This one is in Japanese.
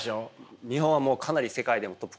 日本はもうかなり世界でもトップクラスです。